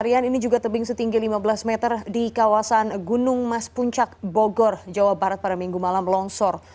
harian ini juga tebing setinggi lima belas meter di kawasan gunung mas puncak bogor jawa barat pada minggu malam longsor